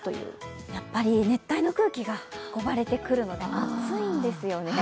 熱帯の空気が運ばれてくるので暑いんですよね。